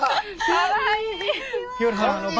かわいい。